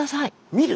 見る？